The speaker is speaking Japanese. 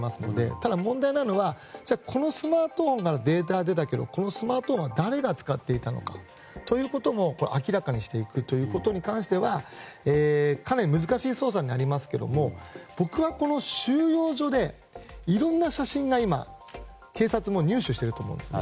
ただ、問題なのはこのスマートフォンからデータは出たけどこのスマートフォンは誰が使っていたのかということも明らかにしていくということに関してはかなり難しい捜査になりますが僕はこの収容所で、いろんな写真を今、警察も入手していると思うんですよね。